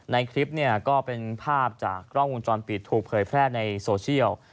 ในคลิปเนี่ยก็เป็นภาพจากกล้องวงจรปิดถูกเผยแพร่ในโซเชียล